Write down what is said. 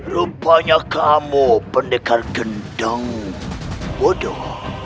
rupanya kamu pendekar gendang bodoh